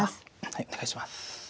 はいお願いします。